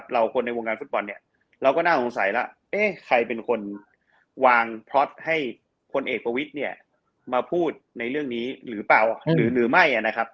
เราคนในวงการฟุตบอลเราก็น่าสงสัยแล้วเอ๊ะใครเป็นคนวางพล็อตให้คนเอกประวิทมาพูดในเรื่องนี้หรือเปล่าหรือไม่